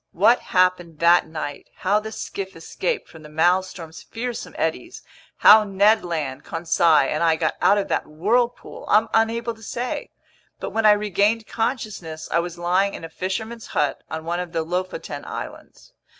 What happened that night, how the skiff escaped from the Maelstrom's fearsome eddies, how Ned Land, Conseil, and I got out of that whirlpool, I'm unable to say. But when I regained consciousness, I was lying in a fisherman's hut on one of the Lofoten Islands.